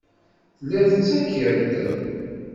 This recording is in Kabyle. Telliḍ tettakiḍ-d.